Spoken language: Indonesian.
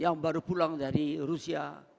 yang baru pulang dari rusia